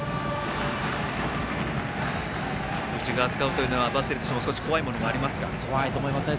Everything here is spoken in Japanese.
内側を使うというのはバッテリーとしても怖いと思いますね。